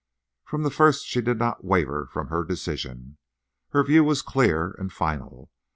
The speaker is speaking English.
From the first she did not waver from her decision. Her view was clear and final.